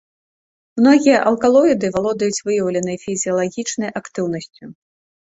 Многія алкалоіды валодаюць выяўленай фізіялагічнай актыўнасцю.